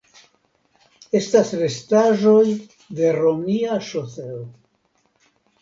Estas restaĵoj de romia ŝoseo.